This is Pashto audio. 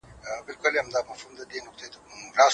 د څاه غاړه ډېره خطرناکه ده او ماشومان باید ورنږدې نشي.